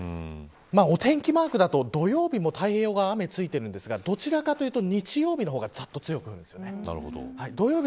お天気マークだと土曜日も太平洋側は雨が付いていますがどちらかというと日曜日の方がざっと強く降ります。